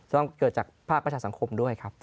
ต้องเกิดจากภาคประชาสังคมด้วยครับ